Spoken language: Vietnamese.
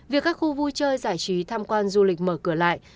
việc các khu vui chơi giải trí tham quan du lịch mở cửa lại